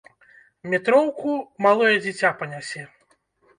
Метроўку малое дзіця панясе!